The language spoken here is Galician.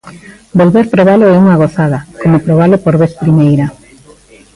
Volver probalo é unha gozada, coma probalo por vez primeira.